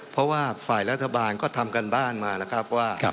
เพราะว่าฝ่ายรัฐบาลก็ทำการบ้านมาแล้วครับว่า